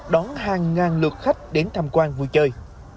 đón hàng ngàn lượt khách đến tham quan vui chơi